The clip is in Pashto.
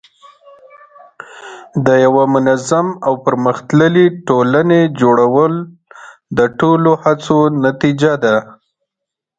د یوه منظم او پرمختللي ټولنې جوړول د ټولو هڅو نتیجه ده.